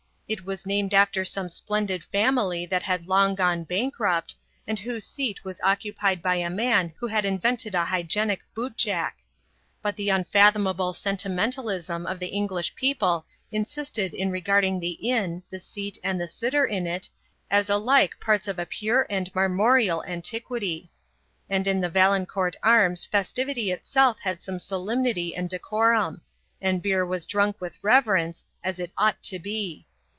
It was named after some splendid family that had long gone bankrupt, and whose seat was occupied by a man who had invented a hygienic bootjack; but the unfathomable sentimentalism of the English people insisted in regarding the Inn, the seat and the sitter in it, as alike parts of a pure and marmoreal antiquity. And in the Valencourt Arms festivity itself had some solemnity and decorum; and beer was drunk with reverence, as it ought to be.